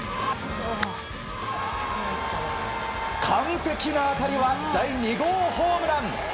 完璧な当たりは第２号ホームラン。